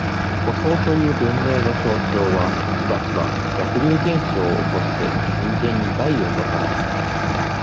舗装という文明の象徴は、しばしば、逆流現象を起こして、人間に害をもたらす。